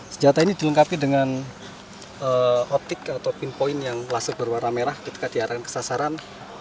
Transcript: senjata ini dilengkapi dengan optik atau pin point yang langsung berwarna merah ketika diarahkan ke sasaran